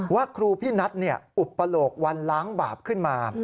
ว่าครูพี่นัทอุปโลกวันล้างบาปขึ้นมา